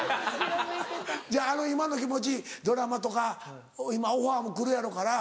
今の気持ちドラマとか今オファーも来るやろうから。